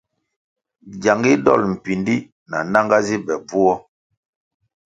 Giangu dol mpíndí na nanga zi be bvuo.